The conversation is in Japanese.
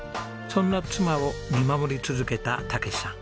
そんな妻を見守り続けた健さん。